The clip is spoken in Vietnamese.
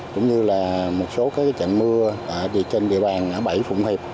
cũng như là một số trận mưa trên địa bàn ở bảy phụng hiệp